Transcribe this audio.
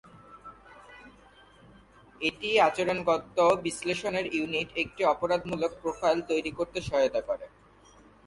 একটি আচরণগত বিশ্লেষণ ইউনিট একটি অপরাধমূলক প্রোফাইল তৈরি করতে সহায়তা করে।